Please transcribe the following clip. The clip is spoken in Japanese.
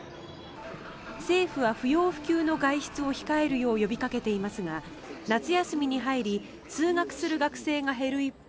政府は不要不急の外出を控えるよう呼びかけていますが夏休みに入り通学する学生が減る一方